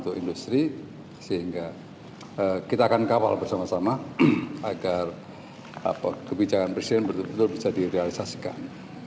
kita akan kawal bersama sama agar kebijakan presiden betul betul bisa direalisasikan